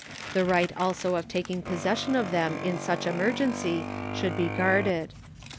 The right also of taking possession of them in such emergency should be guarded.